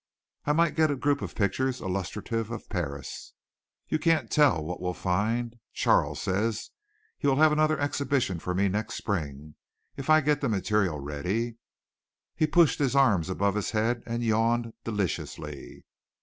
"I might get a group of pictures illustrative of Paris. You can't tell what we'll find. Charles says he will have another exhibition for me next spring, if I'll get the material ready." He pushed his arms above his head and yawned deliciously.